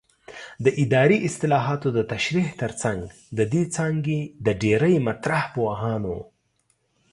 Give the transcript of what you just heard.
د اداري اصطلاحاتو د تشریح ترڅنګ د دې څانګې د ډېری مطرح پوهانو